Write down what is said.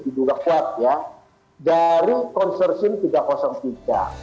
diduga kuat ya dari konsorsium tiga ratus tiga